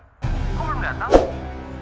kamu belum datang